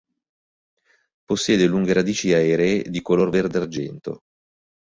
Possiede lunghe radici aeree, di colore verde-argento.